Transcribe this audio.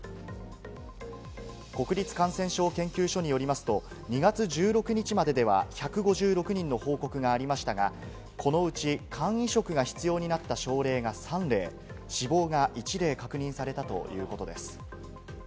国立感染症研究所によりますと、２月１６日まででは１５６人の報告がありましたが、このうち肝移植が必要になった症例が３例、死亡が１例、確認されたということです。